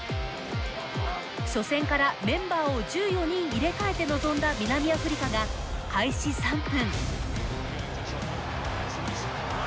初戦からメンバーを１４人入れ替えて臨んだ南アフリカが開始３分。